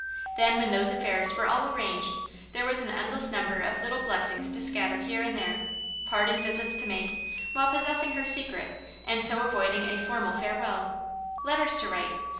Then when those affairs were all arranged, there was an endless number of little blessings to scatter here and there ; parting visits to make, while possessing her secret, and so avoiding a formal farewell ; letters to vjxVt^^ V!